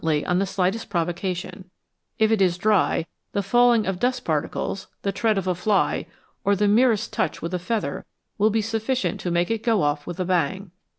Noteworthy also is EXPLOSIONS AND EXPLOSIVES on the slightest provocation ; if it is dry, the falling of dust particles, the tread of a fly, or the merest touch with a feather, will be sufficient to make it go off with a bang.